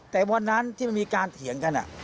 แต่วันนั้นที่มันมีการเถียงกัน